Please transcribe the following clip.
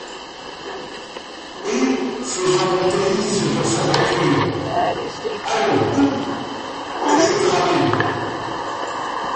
Et, faisant monter Lise dans sa voiture: — Allons, houp! que je te ramène !...